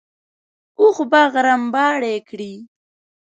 اوښ به غرمباړې کړې.